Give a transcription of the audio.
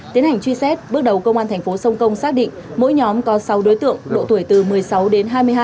tiến hành truy xét bước đầu công an thành phố sông công xác định mỗi nhóm có sáu đối tượng độ tuổi từ một mươi sáu đến hai mươi hai